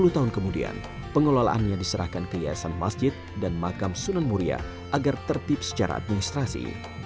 sepuluh tahun kemudian pengelolaannya diserahkan ke yayasan masjid dan makam sunan muria agar tertib secara administrasi